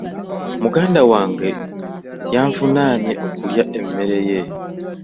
Muganda wange yanvunaaanye okulya emmere ye.